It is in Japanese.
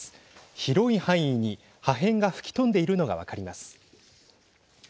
広い範囲に破片が吹き飛んでいるのが分かります。